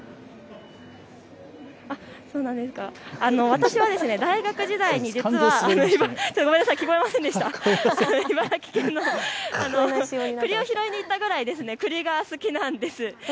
私も大学時代に茨城県にくりを拾いに行ったくらい、くりが好きなんです。